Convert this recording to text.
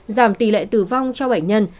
giảm tỷ lệ tử vong cho bệnh nhân